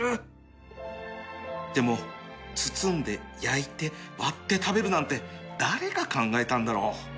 でも包んで焼いて割って食べるなんて誰が考えたんだろう